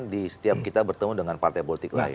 di setiap kita bertemu dengan partai politik lain